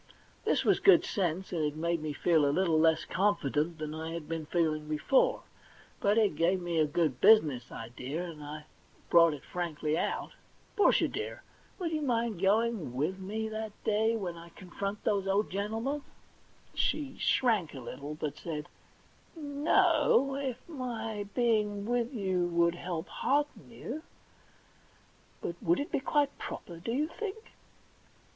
This was good sense, and it made me feel a little less confident than I had been feeling before ; but it gave me a good business idea, and I brought it frankly out. * Portia, dear, would you mind going with 28 THE £1,000,000 BANK NOTE me that day, when I confront those old gentle men?' She shrank a little, but said :* N o ; if my being with you would help hearten you. But — would it be quite proper, do you think